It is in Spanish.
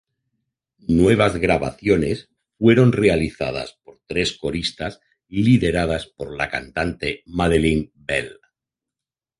Nuevas grabaciones fueron realizadas por tres coristas lideradas por la cantante Madeline Bell.